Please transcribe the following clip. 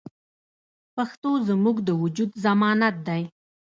پښتو زموږ د وجود ضمانت دی.